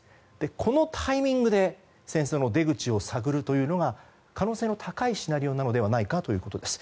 このタイミングで戦争の出口を探るというのが可能性の高いシナリオなのではないかということです。